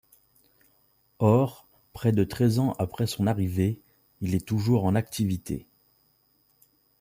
Or, près de treize ans après son arrivée, il est toujours en activité.